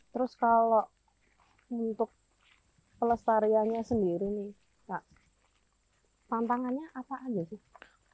terus kalau untuk pelestariannya sendiri nih pak tantangannya apa aja sih